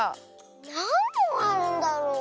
なんぼんあるんだろう。